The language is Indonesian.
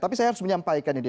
tapi saya harus menyampaikan ini